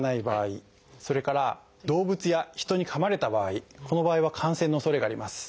それから動物や人にかまれた場合この場合は感染のおそれがあります。